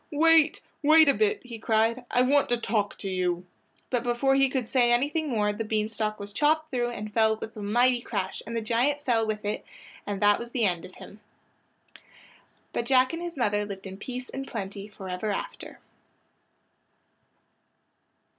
"Wait! wait a bit!" he cried, "I want to talk to you!" But before he could say anything more the bean stalk was chopped through and fell with a mighty crash, and as the giant fell with it that was the end of him. But Jack and his mother lived in peace and plenty forever after.